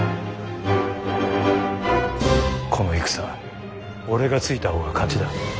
この戦俺がついた方が勝ちだ。